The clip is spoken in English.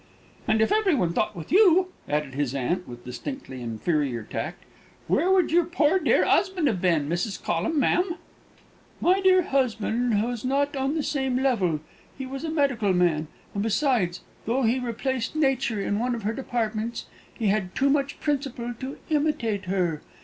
"And if every one thought with you," added his aunt, with distinctly inferior tact, "where would your poor dear 'usband have been, Mrs. Collum, ma'am?" "My dear husband was not on the same level he was a medical man; and, besides, though he replaced Nature in one of her departments, he had too much principle to imitate her.